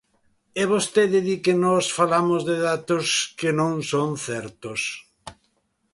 E vostede di que nós falamos de datos que non son certos.